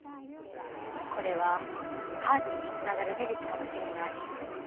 これは犯人に繋がる事実かもしれない。